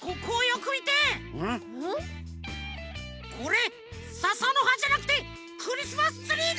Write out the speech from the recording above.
これささのはじゃなくてクリスマスツリーだ！